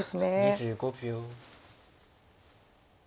２５秒。